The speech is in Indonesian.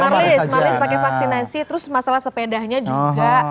marlies pakai vaksinasi terus masalah sepedanya juga